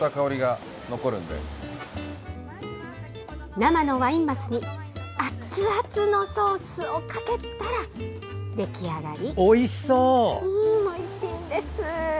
生のワイン鱒に熱々のソースをかけたら出来上がり。